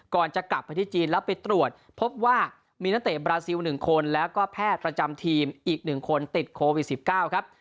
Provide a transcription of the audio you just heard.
ก่อนจะกลับไปที่จีนแล้วไปตรวจพบว่ามีนักเตะบราซิล๑คนแล้วก็แพทย์ประจำทีมอีก๑คนติดโควิด๑๙ครับ